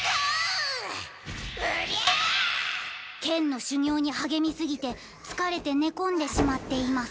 けんのしゅぎょうにはげみすぎてつかれてねこんでしまっています。